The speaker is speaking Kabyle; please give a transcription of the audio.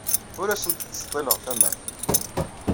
Ur asent-ttseḍḍileɣ tamart.